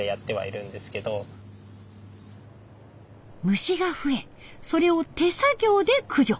虫が増えそれを手作業で駆除。